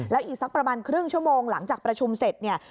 แล้วอีกสักประมาณครึ่งชั่วโมงหลังจากประชุมเสร็จเนี่ย